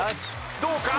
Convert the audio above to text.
どうか？